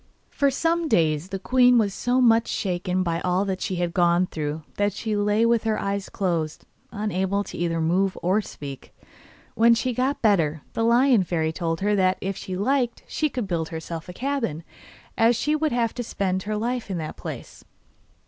For some days the queen was so much shaken by all she had gone through that she lay with her eyes closed, unable either to move or speak. When she got better, the Lion Fairy told her that if she liked she could build herself a cabin, as she would have to spend her life in that place.